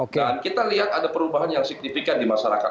dan kita lihat ada perubahan yang signifikan di masyarakat